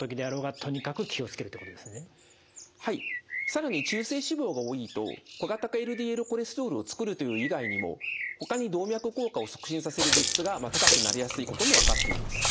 更に中性脂肪が多いと小型化ＬＤＬコレステロールを作るという以外にもほかに動脈硬化を促進させる物質が高くなりやすいことも分かっています。